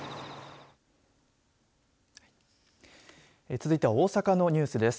続いて、大阪のニュースです。